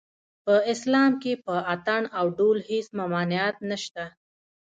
په اسلام کې په اټن او ډول هېڅ ممانعت نشته